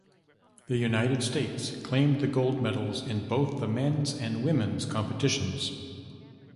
The United States claimed the gold medals in both the Men's and Women's competitions.